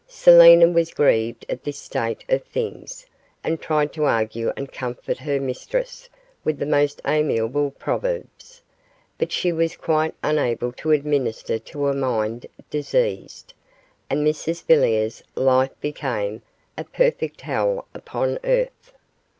Selina was grieved at this state of things, and tried to argue and comfort her mistress with the most amiable proverbs, but she was quite unable to administer to a mind diseased, and Mrs Villiers' life became a perfect hell upon earth.